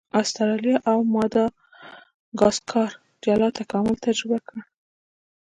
استرالیا او ماداګاسکار جلا تکامل تجربه کړ.